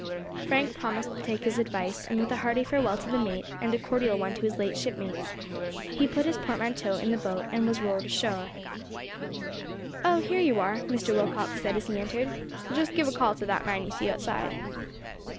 Frank promised to take his advice, and, with a hearty farewell to the mate, and a cordial one to his late shipmates, he put his portmanteau in the boat and was rowed ashore. "Oh, here you are," Mr. Willcox said, as he entered; "just give a call to that man you see outside."